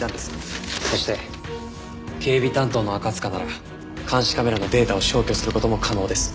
そして警備担当の赤塚なら監視カメラのデータを消去する事も可能です。